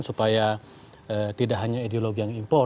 supaya tidak hanya ideologi yang impor